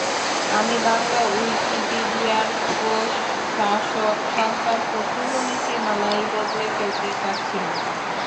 আমি বাংলা উইকিপিডিয়ার প্রশাসক-সংক্রান্ত পুরো নীতিমালাই বদলে ফেলতে চাচ্ছি না।